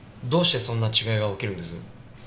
どうしてそんな違いが起きるんです？